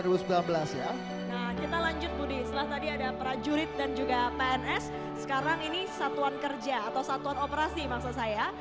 nah kita lanjut budi setelah tadi ada prajurit dan juga pns sekarang ini satuan kerja atau satuan operasi maksud saya